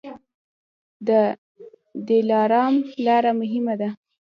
د دلارام لاره مهمه ده